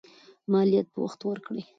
مالیات په وخت ورکړئ.